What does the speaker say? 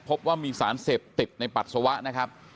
พบว่ามีศาลเสพติดในปรัสสาวะ